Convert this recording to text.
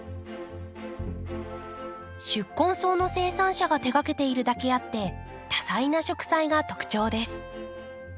宿根草の生産者が手がけているだけあって多彩な植栽が特徴です。